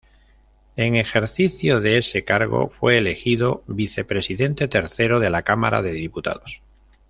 En ejercicio de ese cargo fue elegido Vicepresidente tercero de la Cámara de Diputados.